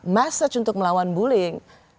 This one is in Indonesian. message untuk melawan bullying